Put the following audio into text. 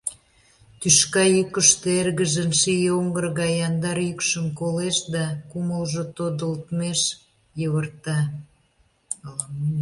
Тӱшка йӱкыштӧ эргыжын ший оҥгыр гай яндар йӱкшым колеш да кумылжо тодылтмеш йывырта.